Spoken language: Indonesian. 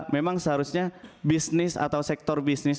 memang seharusnya bisnis atau sektor bisnis